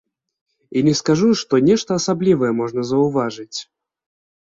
І не скажу, што нешта асаблівае можна заўважыць.